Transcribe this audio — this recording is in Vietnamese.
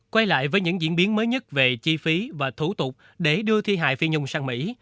quay lại với những diễn biến mới nhất về chi phí và thủ tục để đưa thi hài phi nhung sang mỹ